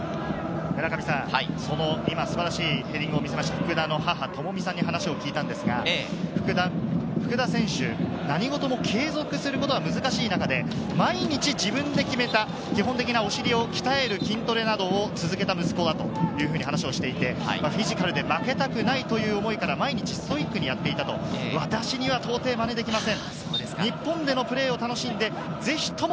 その今素晴らしいヘディングを見せた、福田の母・ともみさんに話を聞いたんですが、福田選手、何事も継続することは難しい中で毎日、自分で決めた基本的な、お尻を鍛える筋トレなどを続けた息子だというふうに話していて、フィジカルで負けたくないという思いから毎日ストイックにやっていたと、私には到底、真似できません。